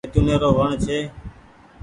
زيتونٚي رو وڻ ڇي۔